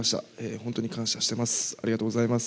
本当に感謝してます。